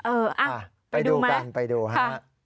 เออไปดูกันไปดูค่ะ